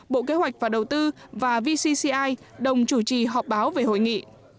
bộ kế hoạch và đầu tư và vcci đồng chủ trì họp báo về hội nghị